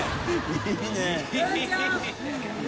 いいね